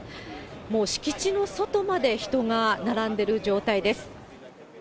もう敷地の外まで人が並んでいる状態です。